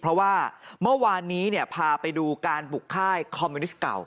เพราะว่าเมื่อวานนี้พาไปดูการบุกค่ายคอมมิวนิสต์เก่า